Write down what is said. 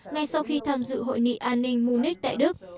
ngay sau khi tham dự hội nghị an ninh munich tại đức